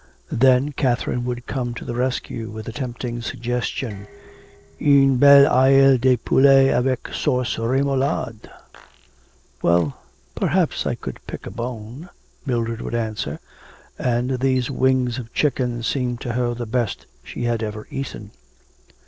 Then Catherine would come to the rescue with a tempting suggestion, Une belle aile de poulet avec sauce remoulade. 'Well, perhaps I could pick a bone,' Mildred would answer, and these wings of chicken seemed to her the best she had ever eaten.